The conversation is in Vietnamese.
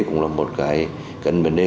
cũng là một cái cân bến đề